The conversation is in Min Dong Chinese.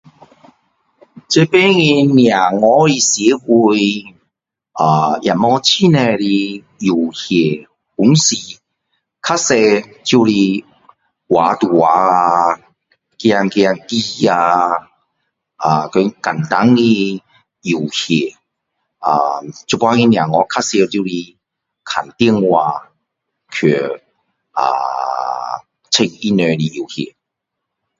这边的小孩的社会 uhm 也没有很多的游戏方式。很多就是画图画啊！下下棋啊！uhm 和简单的游戏。啊！现在的小孩比较多就是看电话。去，啊！玩他们的游戏。